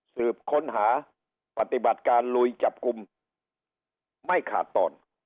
สืบค้นหาปฏิบัติการลุยจับกลุ่มไม่ขาดตอน